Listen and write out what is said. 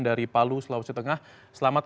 dari palu sulawesi tengah selamat